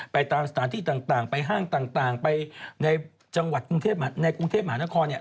ตามสถานที่ต่างไปห้างต่างไปในจังหวัดในกรุงเทพมหานครเนี่ย